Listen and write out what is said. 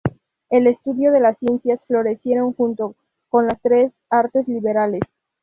El estudio de las ciencias florecieron junto con las artes liberales.